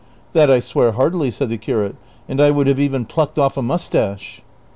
" That I swear heartily," said the curate, " and I would have even plucked off a mustache."